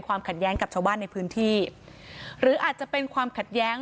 ขัดแย้งกับชาวบ้านในพื้นที่หรืออาจจะเป็นความขัดแย้ง